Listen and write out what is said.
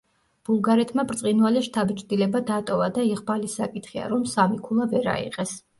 ბულგარეთმა ბრწყინვალე შთაბეჭდილება დატოვა და იღბალის საკითხია რომ სამი ქულა ვერ აიღეს.